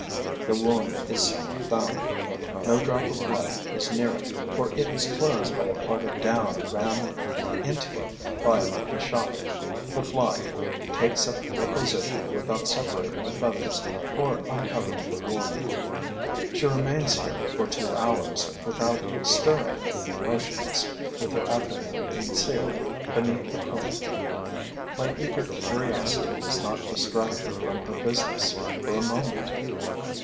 The wound is soon found. No drop of blood is near it, for it is closed by a plug of down rammed into it by the shot. The fly takes up her position without separating the feathers or uncovering the wound. She remains here for two hours without stirring, motionless, with her abdomen concealed beneath the plumage. My eager curiosity does not distract her from her business for a moment.